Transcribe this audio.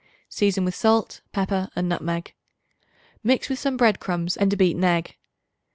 Season with salt, pepper and nutmeg. Mix with some bread crumbs and a beaten egg.